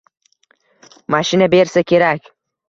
mashina bersa kerak.